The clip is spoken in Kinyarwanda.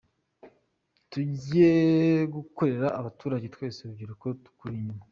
tujye gukorera abaturage, twese urubyiruko tukuri inyuma.